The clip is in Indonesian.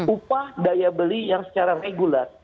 upah daya beli yang secara reguler